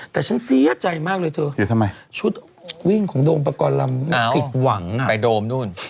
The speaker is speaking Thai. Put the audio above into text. แต่ฉันเสียใจมากเลยเธอทำไมชุดวิ่งของโดมประกอบลำไม่ผิดหวังอ่ะไปโดมนู่น